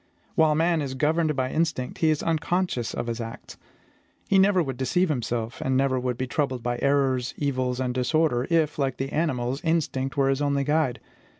While man is governed by instinct, he is unconscious of his acts. He never would deceive himself, and never would be troubled by errors, evils, and disorder, if, like the animals, instinct were his only guide.